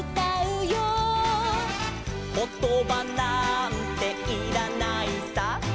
「ことばなんていらないさ」